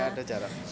gak ada jarak